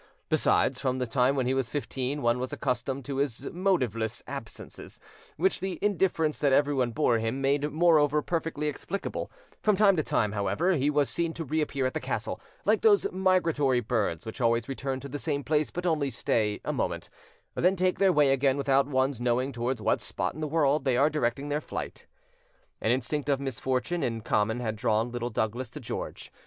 Besides, from the time when he was fifteen, one was accustomed to his motiveless absences, which the indifference that everyone bore him made moreover perfectly explicable; from time to time, however, he was seen to reappear at the castle, like those migratory birds which always return to the same place but only stay a moment, then take their way again without one's knowing towards what spot in the world they are directing their flight. An instinct of misfortune in common had drawn Little Douglas to George.